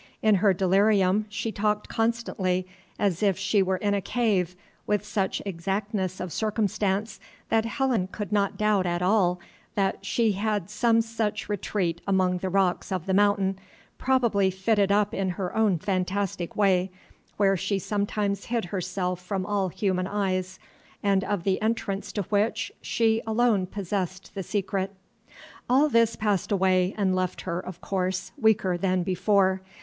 In her delirium she talked constantly as if she were in a cave, with such exactness of circumstance that Helen could not doubt at all that she had some such retreat among the rocks of The Mountain, probably fitted up in her own fantastic way, where she sometimes hid herself from all human eyes, and of the entrance to which she alone possessed the secret. All this passed away, and left her, of course, weaker than before.